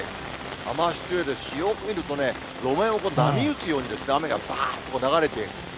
雨足強いですし、よーく見るとね、路面を波打つように雨がばーっと流れている。